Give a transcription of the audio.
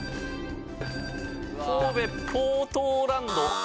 神戸ポートーランド。